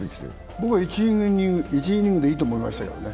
僕は、１イニングでいいと思いましたけどね。